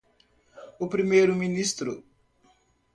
O primeiro ministro.